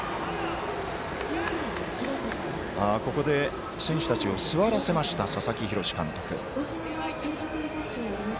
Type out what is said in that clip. ここで選手たちを座らせました佐々木洋監督。